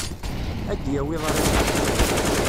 Ad d-yawi ḍrifa.